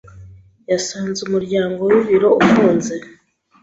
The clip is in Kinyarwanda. yasanze umuryango wibiro ufunze.